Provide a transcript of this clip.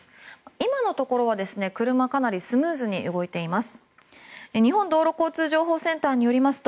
今のところは、車かなりスムーズに動いています。